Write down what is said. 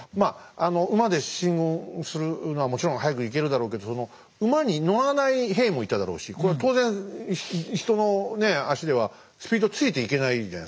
馬で進軍するのはもちろん速く行けるだろうけどその馬に乗らない兵もいただろうしこれは当然人の足ではスピードついていけないじゃないですか。